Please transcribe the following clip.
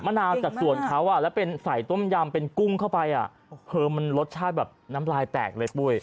นาวจากส่วนเขาอ่ะแล้วเป็นใส่ต้มยำเป็นกุ้งเข้าไปอ่ะคือมันรสชาติแบบน้ำลายแตกเลยปุ้ย